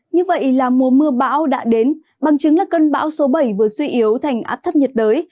như vậy là mùa mưa bão đã đến bằng chứng là cơn bão số bảy vừa suy yếu thành áp thấp nhiệt đới